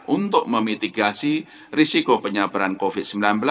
untuk memitigasi risiko penyebaran covid sembilan belas